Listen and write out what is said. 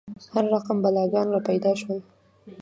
هر رقم بلاګان را پیدا شول.